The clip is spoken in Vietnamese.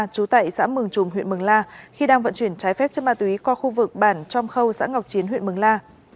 chú tại xã mường trùm huyện mường la khi đang vận chuyển trái phép chất ma túy qua khu vực bản trong khâu xã ngọc chiến huyện mường la